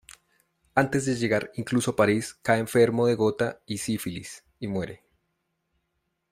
Antes incluso de llegar a París, cae enfermo de gota y sífilis y muere.